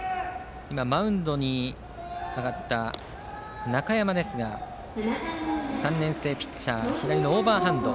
今マウンドに上がった中山ですが３年生ピッチャー左のオーバーハンド。